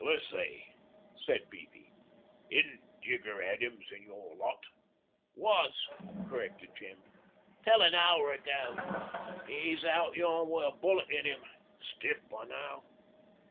'Let's see,' said Beefy. 'Isn't Jigger Adams in your lot?' 'Was,' corrected Jem, 'till an hour ago. 'E's out yon wi' a bullet in 'im stiff by now.'